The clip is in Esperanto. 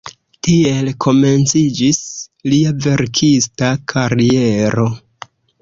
Tiel komenciĝis lia verkista kariero.